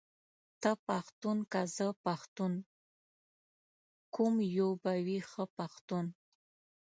ته پښتون که زه پښتون ، کوم يو به وي ښه پښتون ،